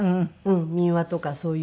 民話とかそういうのをね